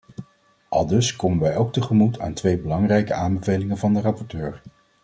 Aldus komen wij ook tegemoet aan twee belangrijke aanbevelingen van de rapporteur.